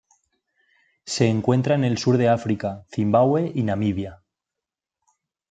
Se encuentra en el sur de África, Zimbabue y Namibia.